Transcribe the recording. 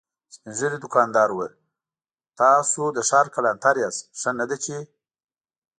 سپين ږيری دوکاندار وويل: تاسو د ښار کلانتر ياست، ښه نه ده چې…